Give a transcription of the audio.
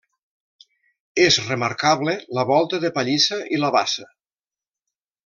És remarcable la volta de pallissa i la bassa.